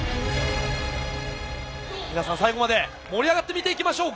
皆さん最後まで盛り上がって見ていきましょう！